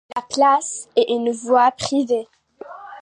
La place est une voie privée.